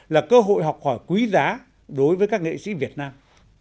là cơ hội học hỏi quý giá đối với các nghệ sĩ việt nam